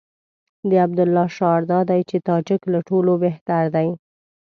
د عبدالله شعار دا دی چې تاجک له ټولو بهتر دي.